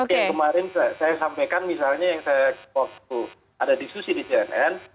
yang kemarin saya sampaikan misalnya yang saya waktu ada diskusi di cnn